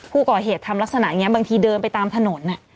ผู้ก่อเหตุทำลักษณะอย่างนี้บางทีเดินไปตามถนน